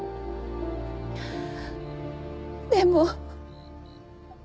でも。